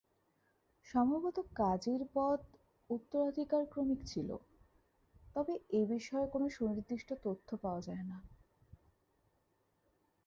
সম্ভবত কাজীর পদ উত্তরাধিকারক্রমিক ছিল, তবে এবিষয়ে কোনো সুনির্দিষ্ট তথ্য পাওয়া যায় না।